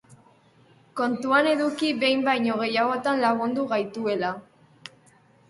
Kontuan eduki behin baino gehiagotan lagundu gaituela.